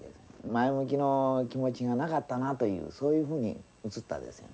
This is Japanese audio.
前向きの気持ちがなかったなというそういうふうに映ったです。